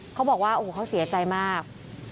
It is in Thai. เขาบอกว่าโอ้โหเขาเสียใจมาก